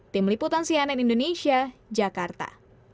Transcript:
tim liputan cnn indonesia jakarta